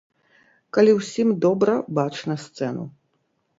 Калі ўсім добра бачна сцэну.